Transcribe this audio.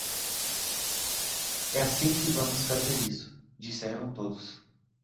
É assim que vamos fazer isso ", disseram todos.